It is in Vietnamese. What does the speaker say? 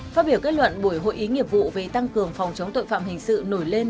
phát biểu kết luận buổi hội ý nghiệp vụ về tăng cường phòng chống tội phạm hình sự nổi lên